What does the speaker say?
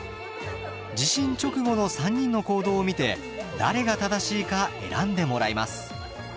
地震直後の３人の行動を見て誰が正しいか選んでもらいます。